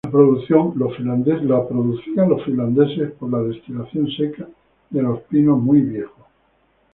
Lo producían los finlandeses por la destilación seca de los pinos muy viejos.